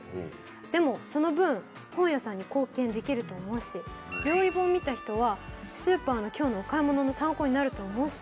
でもその分本屋さんに貢献できると思うし料理本を見た人はスーパーの今日のお買い物の参考になると思うし。